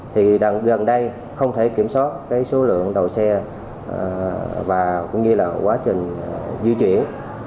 thì gần đây không thể kiểm soát cái số lượng đầu xe và cũng như là quá trình di chuyển